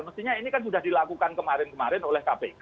mestinya ini kan sudah dilakukan kemarin kemarin oleh kpk